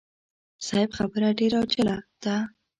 صيب خبره ډېره عاجله ده.